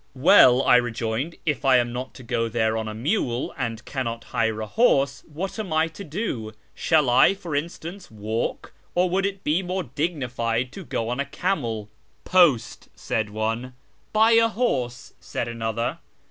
" Well," I rejoined, " if I am not to go there on a mule, and cannot hire a horse, what am I to do ? Shall I, for instance, walk, or would it be more ' dignified ' to go on a camel ?"" Post," said one. " Buy a horse," said another.